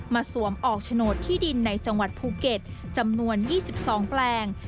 สวมออกโฉนดที่ดินในจังหวัดภูเก็ตจำนวน๒๒แปลง